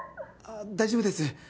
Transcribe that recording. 大丈夫です。